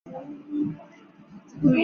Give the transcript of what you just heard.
柴达木猪毛菜是苋科猪毛菜属的植物。